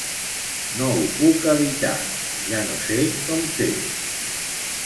No ho puc evitar, ja no sé com fer-ho.